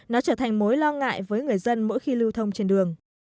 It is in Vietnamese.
nó trở thành mối lo ngại với người dân mỗi khi lưu thông trên đường